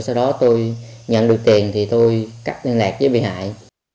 sau đó tôi nhận được tiền thì tôi cắt liên lạc với bị hại